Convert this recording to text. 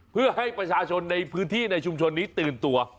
เพื่อให้ประชาชนในพื้นที่ในชุมชนนี้ตื่นตัว